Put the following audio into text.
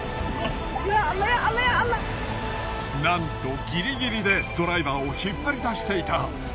なんとギリギリでドライバーを引っ張り出していた。